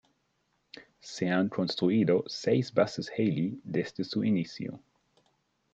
Se han construido seis bases Halley desde su inicio.